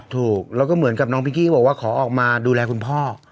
ถูกแล้วก็เหมือนกับน้องพิงกี้บอกว่าขอออกมาดูแลคุณพ่อ